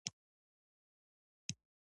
استاد د سهوو پر ځای اصلاح ښيي.